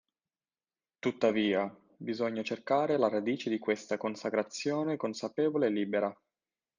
Tuttavia, bisogna cercare la radice di questa consacrazione consapevole e libera